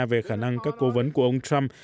về khả năng các cố vấn của ông trump